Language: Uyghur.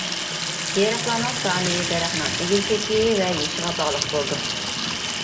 يېرىقلارنىڭ سانى دەرەخنىڭ ئېگىزلىكى ۋە يېشىغا باغلىق بولىدۇ.